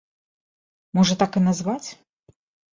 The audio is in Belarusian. Можа, так і назваць?